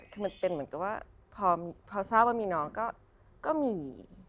คือมันเป็นเหมือนกับว่าพอทราบว่ามีน้องก็มี